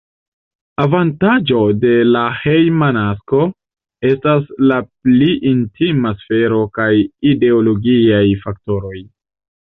Avantaĝo de la hejma nasko estas la pli intima sfero kaj ideologiaj faktoroj.